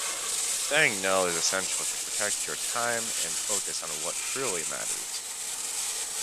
Saying no is essential to protect your time and focus on what truly matters.